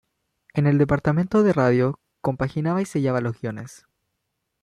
En el departamento de radio compaginaba y sellaba los guiones.